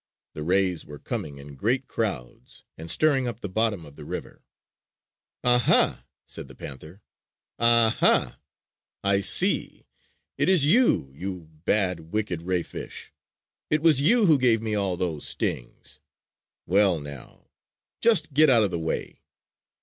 The rays were coming in great crowds and stirring up the bottom of the river. "Ah hah!" said the panther: "Ah hah! I see! It is you, you bad, wicked ray fish! It was you who gave me all those stings! Well now, just get out of the way!"